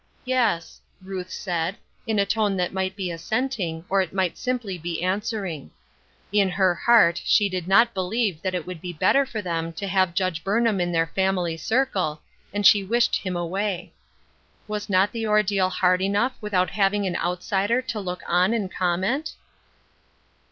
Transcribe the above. " Yes," Ruth said, in a tone that might be assenting, or it might simply be answering. In her heart she did not believe that it would be better for them to have Judge Burnham in theii family circle, and she wished him away. Was not the ordeal hard enough without having an outsider to look on and comment